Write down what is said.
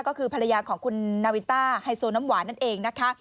ก็คือภรรยาของคุณนาวินต้าไฮโซน้ำหวานนั่นเองนะคะ